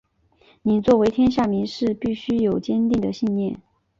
你作为天下名士必须有坚定的信念！